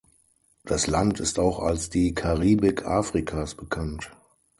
Das Land ist auch als die "Karibik Afrikas" bekannt.